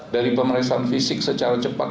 dari pemeriksaan fisik secara cepat